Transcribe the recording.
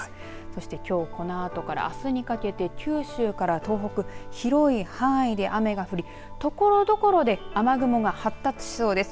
そして、きょうこのあとからあすにかけて九州から東北、広い範囲で雨が降り、ところどころで雨雲が発達しそうです。